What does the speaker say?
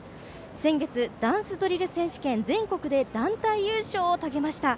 先月ダンスドリル選手権全国で団体優勝を遂げました。